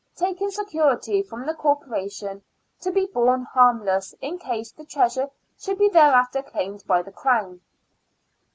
taking security from the Corporation to be borne harmless in case the treasure should be thereafter claimed by the Crown.